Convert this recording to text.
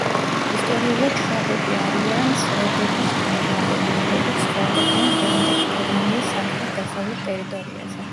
ისტორიულად შვაბები არიან სვებების შთამომავლები, რომლებიც ცხოვრობდნენ დღევანდელი გერმანიის სამხრეთ-დასავლეთ ტერიტორიაზე.